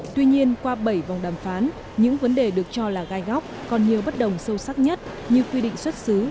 tuy nhiên qua bảy vòng đàm phán những vấn đề được cho là gai góc còn nhiều bất đồng sâu sắc nhất như quy định xuất xứ